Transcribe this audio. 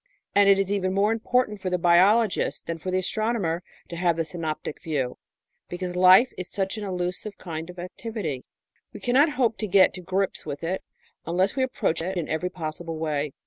And it is even more important for the biologist than for the astronomer to have the synoptic view, because life is such an elusive kind of activity. We cannot hope to get to grips with it unless we approach it in every possible way.